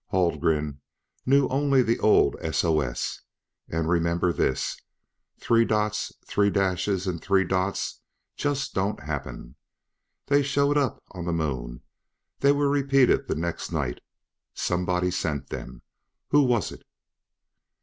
Haldgren knew only the old S O S. And remember this: three dots, three dashes and three dots don't just happen. They showed up on the Moon. They were repeated the next night. Somebody sent them! Who was it?"